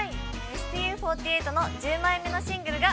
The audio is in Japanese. ＳＴＵ４８の１０枚目のシングルが